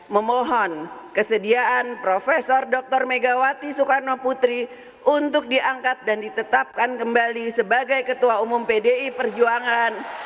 memohon kesediaan prof dr megawati soekarno putri untuk diangkat dan ditetapkan kembali sebagai ketua umum pdi perjuangan